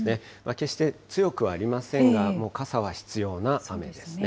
決して強くはありませんが、もう傘は必要な雨ですね。